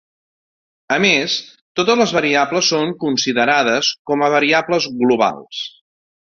A més, totes les variables són considerades com a variables globals.